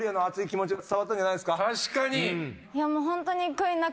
確かに。